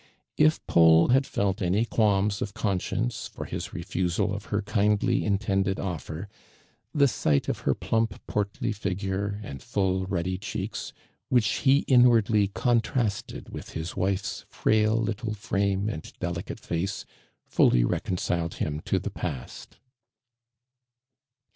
If Paul had felt any qualms of conscience for his refusal of her kindly intended ott'er, thesightofherplump. portly figure, and full, ruddy cheeks, which he inwardly contrasted with his wife's frail little frame and delicate face, fully recon ciled him to the past.